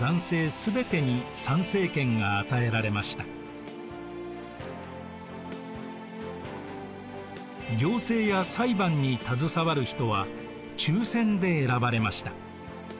アテネでは行政や裁判に携わる人は抽選で選ばれました。